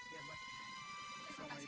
terima kasih pak haji